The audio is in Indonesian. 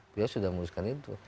beliau sudah menguruskan itu